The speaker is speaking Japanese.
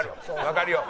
わかるよ。